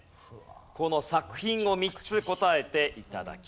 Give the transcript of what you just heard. この作品を３つ答えて頂きます。